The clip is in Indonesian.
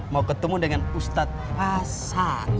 mau ketemu dengan ustadz asa